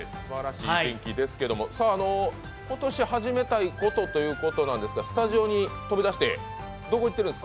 今年始めたいことということなんですが、スタジオを飛び出してどこに行ってるんですか？